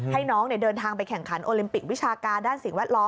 ให้น้องเดินทางไปแข่งขันโอลิมปิกวิชาการด้านสิ่งแวดล้อม